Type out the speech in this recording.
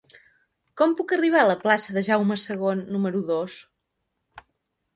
Com puc arribar a la plaça de Jaume II número dos?